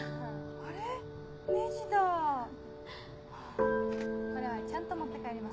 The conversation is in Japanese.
これはちゃんと持って帰ります。